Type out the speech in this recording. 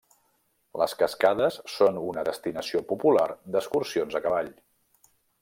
Les cascades són una destinació popular d'excursions a cavall.